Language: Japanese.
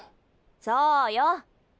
そうよ。